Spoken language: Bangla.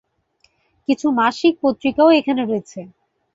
কিছু মাসিক পত্রিকাও এখানে রয়েছে।